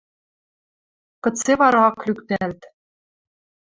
Кыце вара ак лӱктӓлт?